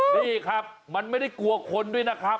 นี่ครับมันไม่ได้กลัวคนด้วยนะครับ